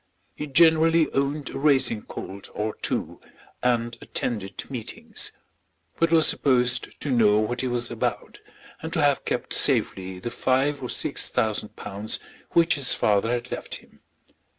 He generally owned a racing colt or two, and attended meetings; but was supposed to know what he was about, and to have kept safely the five or six thousand pounds which his father had left him.